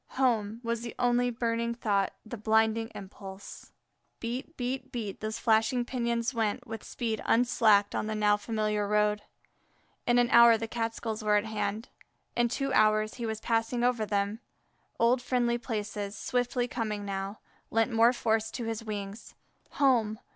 home! was the only burning thought, the blinding impulse. Beat, beat, beat, those flashing pinions went with speed unslacked on the now familiar road. In an hour the Catskills were at hand. In two hours he was passing over them. Old friendly places, swiftly coming now, lent more force to his wings. Home!